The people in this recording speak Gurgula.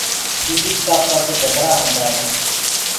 چيِلي ڪآ پک جبرآ هيندآ هينٚ۔